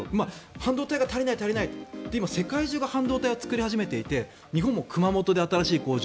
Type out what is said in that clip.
半導体が足りない足りない今、世界中が半導体を作り始めていて日本も熊本で新しい工場